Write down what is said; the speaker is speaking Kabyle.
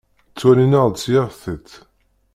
Ttwalin-aɣ-d s yir tiṭ.